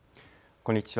こんにちは。